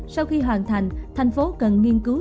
sau khi hoàn thành thành phố cần nghiên cứu